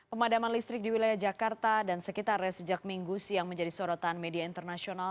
pemadaman listrik di wilayah jakarta dan sekitarnya sejak minggu siang menjadi sorotan media internasional